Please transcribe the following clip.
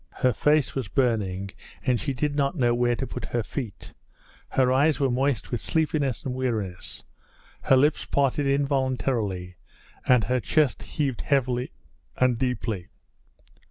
Her face was burning, and she did not know where to put her feet, her eyes were moist with sleepiness and weariness, her lips parted involuntarily, and her chest heaved heavily and deeply.